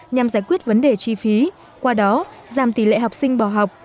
nhằm giải quyết vấn đề chi phí qua đó giảm tỷ lệ học sinh bỏ học